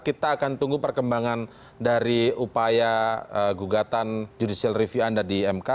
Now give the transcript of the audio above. kita akan tunggu perkembangan dari upaya gugatan judicial review anda di mk